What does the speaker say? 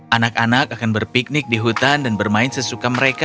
anak anak akan berpiknik di hutan dan bermain sesuka mereka